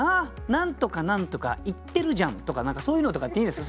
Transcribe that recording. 「何とか何とか言ってるじゃん」とか何かそういうのとかっていいんですか？